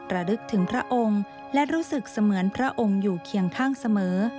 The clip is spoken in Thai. ระลึกถึงพระองค์และรู้สึกเสมือนพระองค์อยู่เคียงข้างเสมอ